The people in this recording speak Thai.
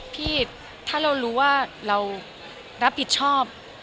พี่ถ้าเรารู้ว่าเรารับผิดชอบ